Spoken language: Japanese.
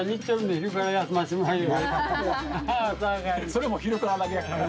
それも昼からだけやから。